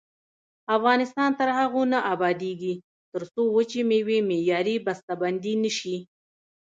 افغانستان تر هغو نه ابادیږي، ترڅو وچې میوې معیاري بسته بندي نشي.